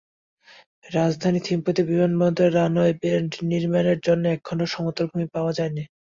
রাজধানী থিম্পুতে বিমানবন্দরের রানওয়ে নির্মাণের জন্য একখণ্ড সমতল ভূমি পাওয়া যায়নি।